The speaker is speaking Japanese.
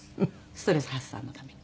ストレス発散のために。